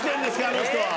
あの人は。